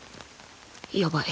やばい。